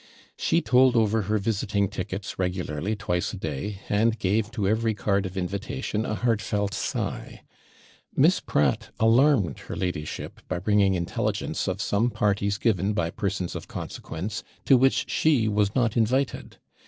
She told over her visiting tickets regularly twice a day, and gave to every card of invitation a heartfelt sigh. Miss Pratt alarmed her ladyship, by bringing intelligence of some parties given by persons of consequence, to which she was not invited.